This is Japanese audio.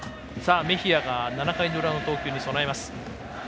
メヒアが７回の裏の投球に備えます。